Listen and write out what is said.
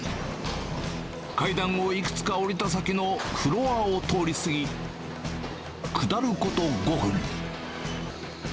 階段をいくつか下りた先のフロアを通り過ぎ、下ること５分。